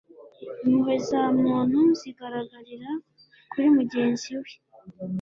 impuhwe za muntu zigaragarira kuri mugenzi we